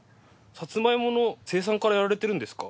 サツマイモの生産からやられてるんですか？